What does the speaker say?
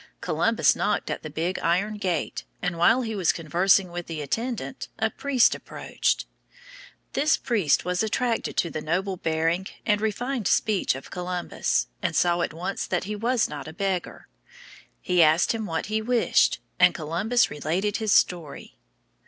Columbus knocked at the big iron gate, and while he was conversing with the attendant a priest approached. This priest was attracted by the noble bearing and refined speech of Columbus, and saw at once that he was not a beggar. He asked him what he wished, and Columbus related his story.